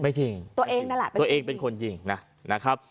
ไม่จริงตัวเองนั่นแหละตัวเองเป็นคนยิงนะนะครับ